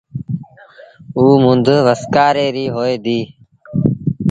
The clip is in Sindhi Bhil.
اُ مند وسڪآري ري هوئي ديٚ۔